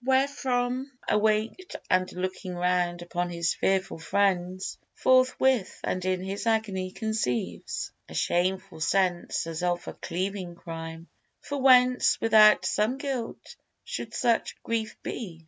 Wherefrom awaked And looking round upon his tearful friends, Forthwith and in his agony conceives A shameful sense as of a cleaving crime For whence without some guilt should such grief be?